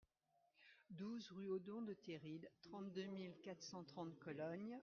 douze rue Odon de Terride, trente-deux mille quatre cent trente Cologne